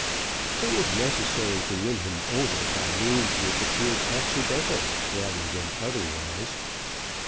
It was necessary to win him over by means which appeared accidental rather than otherwise.